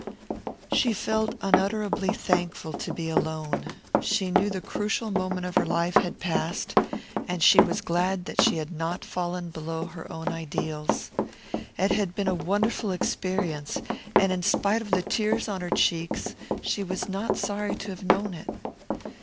She felt unutterably thankful to be alone. She knew the crucial moment of her life had passed, and she was glad that she had not fallen below her own ideals. It had been a wonderful experience; and in spite of the tears on her cheeks she was not sorry to have known it.